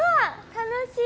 楽しい！